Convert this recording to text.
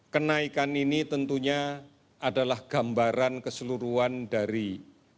kenaikan ini tentunya adalah gambaran keseluruhan dari